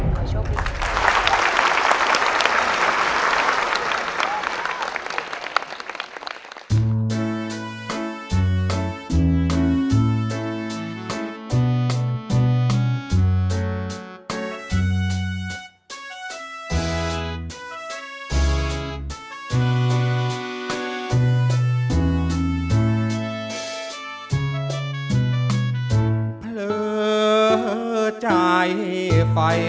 โปรดติดตามตอนต่อไป